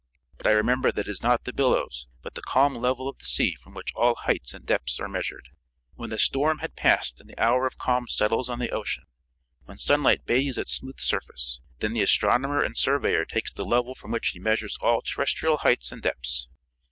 But I remember that it is not the billows, but the calm level of the sea from which all heights and depths are measured. When the storm had passed and the hour of calm settles on the ocean, when sunlight bathes its smooth surface, then the astronomer and surveyor takes the level from which he measures all terrestrial heights and depths.